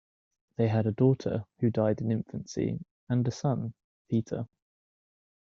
They had a daughter who died in infancy, and a son, Peter.